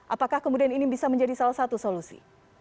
apakah kemudian ini bisa menjadi salah satu solusi